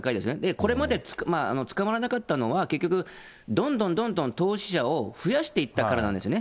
これまで捕まらなかったのは結局、どんどんどんどん投資者を増やしていったからなんですね。